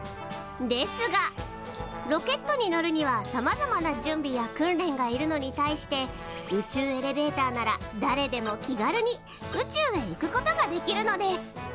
ですがロケットに乗るにはさまざまな準備や訓練がいるのに対して宇宙エレベーターなら誰でも気軽に宇宙へ行くことができるのです。